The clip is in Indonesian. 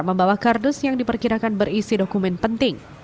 membawa kardus yang diperkirakan berisi dokumen penting